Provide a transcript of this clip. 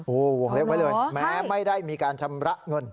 โอ้โหวงเล็บไว้เลยแม้ไม่ได้มีการชำระเงิน